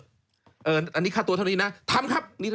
อันนี้ค่าตัวเท่านี้นะทำครับ